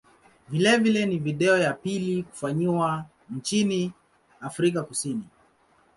Vilevile ni video ya pili kufanyiwa nchini Afrika Kusini.